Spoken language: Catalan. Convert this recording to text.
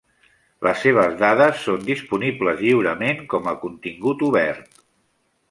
Les seves dades són disponibles lliurement com a contingut obert.